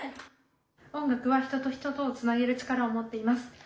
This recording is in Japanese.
音楽は人と人とをつなげる力を持っています。